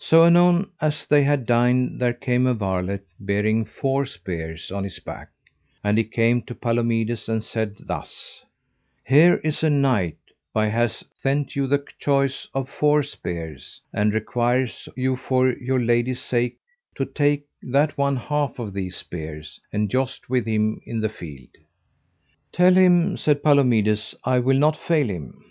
So anon as they had dined there came a varlet bearing four spears on his back; and he came to Palomides, and said thus: Here is a knight by hath sent you the choice of four spears, and requireth you for your lady's sake to take that one half of these spears, and joust with him in the field. Tell him, said Palomides, I will not fail him.